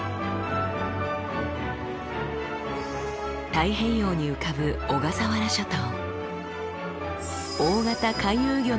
太平洋に浮かぶ小笠原諸島。